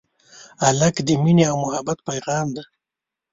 هلک د مینې او محبت پېغام دی.